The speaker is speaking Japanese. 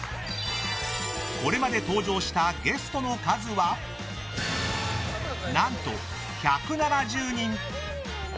これまで登場したゲストの数は何と１７０人。